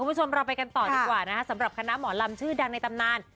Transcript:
คุณผู้ชมเราไปกันต่อดีกว่านะคะสำหรับคณะหมอลำชื่อดังในตำนาน